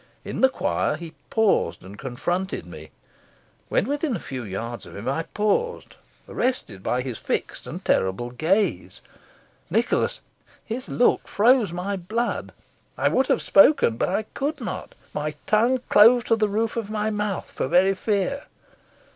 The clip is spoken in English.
In the choir he paused and confronted me. When within a few yards of him, I paused, arrested by his fixed and terrible gaze. Nicholas, his look froze my blood. I would have spoken, but I could not. My tongue clove to the roof of my mouth for very fear.